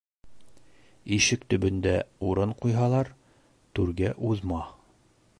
Ишек төбөндә урын ҡуйһалар, түргә уҙма.